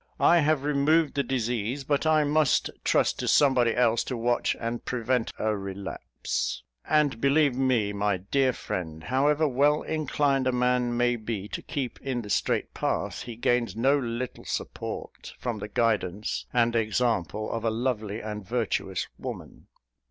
I have removed the disease; but I must trust to somebody else to watch and prevent a relapse. And believe me, my dear friend, however well inclined a man may be to keep in the straight path, he gains no little support from the guidance and example of a lovely and virtuous woman."